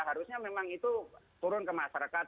harusnya memang itu turun ke masyarakat